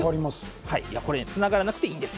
つながらなくていいんです。